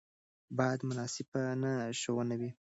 باید منصفانه ښوونه وي.